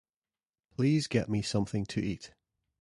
Please get me something to eat.